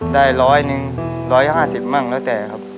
ได้ร้อยหนึ่งร้อยห้าสิบมั่งแล้วแต่ครับ